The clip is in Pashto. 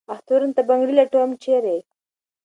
اخترونو ته بنګړي لټوم ، چېرې ؟